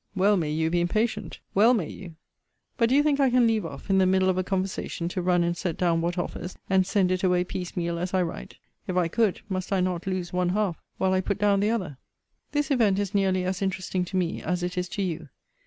Well may you be impatient! Well may you! But do you think I can leave off, in the middle of a conversation, to run and set down what offers, and send it away piece meal as I write? If I could, must I not lose one half, while I put down the other? This event is nearly as interesting to me as it is to you.